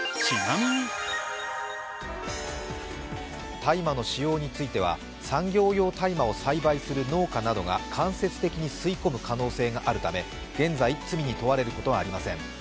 大麻の使用については、産業用大麻を栽培する農家などが間接的に吸い込む可能性があるため現在、罪に問われることはありません。